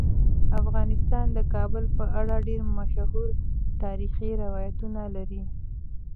افغانستان د کابل په اړه ډیر مشهور تاریخی روایتونه لري.